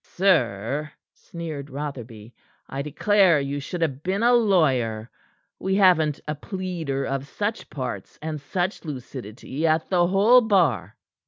"Sir," sneered Rotherby, "I declare you should have been a lawyer. We haven't a pleader of such parts and such lucidity at the whole bar."